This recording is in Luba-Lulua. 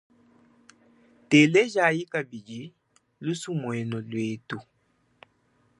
Telejayi kabidi lusumuinu lwetu.